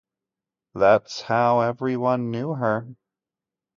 That's how everyone knew her.